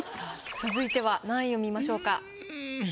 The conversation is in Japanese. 続いては何位を見ましょうか？